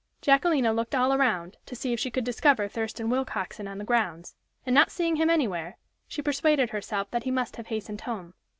Jacquelina looked all around, to see if she could discover Thurston Willcoxen on the grounds; and not seeing him anywhere, she persuaded herself that he must have hastened home.